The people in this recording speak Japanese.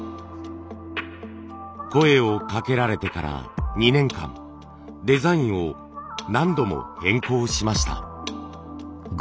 声をかけられてから２年間デザインを何度も変更しました。